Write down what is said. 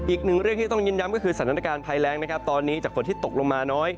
อีกหนึ่งเรื่องที่ต้องเน้นย้ำก็คือสถานการณ์ภัยแรงนะครับตอนนี้จากฝนที่ตกลงมาน้อย